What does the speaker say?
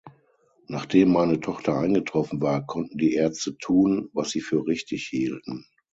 Nachdem meine Tochter eingetroffen war, konnten die Ärzte tun, was sie für richtig hielten.